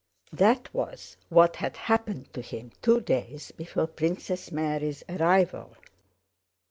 That was what had happened to him two days before Princess Mary's arrival.